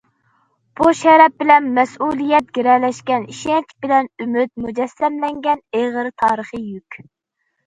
بۇ، شەرەپ بىلەن مەسئۇلىيەت گىرەلەشكەن، ئىشەنچ بىلەن ئۈمىد مۇجەسسەملەنگەن ئېغىر تارىخىي يۈك.